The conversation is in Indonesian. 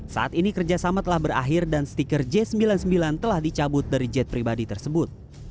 saat ini kerjasama telah berakhir dan stiker j sembilan puluh sembilan telah dicabut dari jet pribadi tersebut